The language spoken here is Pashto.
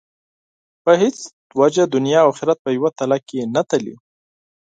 په هېڅ وجه دنیا او آخرت په یوه تله کې نه تلي.